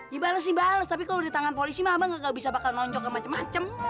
ya bales sih bales tapi kalau ditangan polisi mah abang gak bisa bakal nonjok ke macam macam